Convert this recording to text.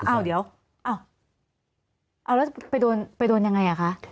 อ้าวเดี๋ยวไปโดนยังไงค่ะ